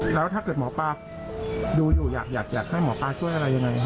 แล้วถ้าเกิดหมอปลาดูอยู่อยากให้หมอปลาช่วยอะไรยังไง